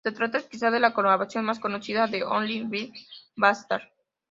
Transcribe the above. Se trata quizá de la colaboración más conocida de Ol' Dirty Bastard.